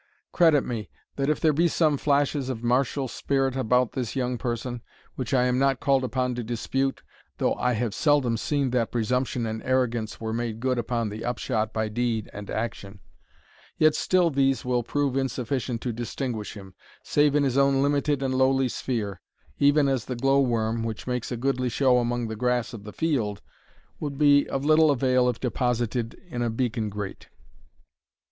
Credit me, that if there be some flashes of martial spirit about this young person, which I am not called upon to dispute, (though I have seldom seen that presumption and arrogance were made good upon the upshot by deed and action,) yet still these will prove insufficient to distinguish him, save in his own limited and lowly sphere even as the glowworm, which makes a goodly show among the grass of the field, would be of little avail if deposited in a beacon grate."